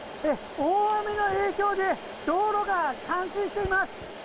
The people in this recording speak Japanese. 大雨の影響で道路が冠水しています。